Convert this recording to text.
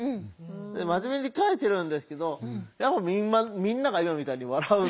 で真面目に書いてるんですけどやっぱみんなが今みたいに笑うんですよ。